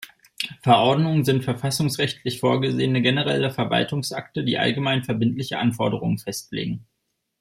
Verordnungen sind verfassungsrechtlich vorgesehene generelle Verwaltungsakte, die allgemein verbindliche Anforderungen festlegen.